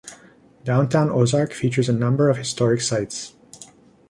Downtown Ozark features a number of historic sites.